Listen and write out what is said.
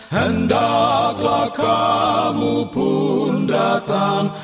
hendaklah kamu pun datang